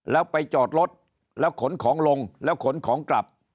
แล้วไปจอดรถแล้วขนของลงแล้วขนของกลับ